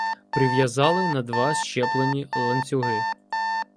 Прив’язали на два зчеплені ланцюги.